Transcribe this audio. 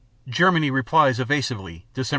_ Germany replies evasively (Dec. 26).